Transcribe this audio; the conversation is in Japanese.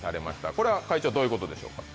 これは会長どういうことでしょうか？